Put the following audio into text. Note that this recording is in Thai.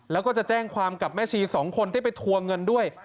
แล้วก็จะแจ้งความกับแม่ชีสองคนที่ไปทวงเงินด้วย